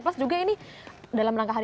terus juga ini dalam rangka harian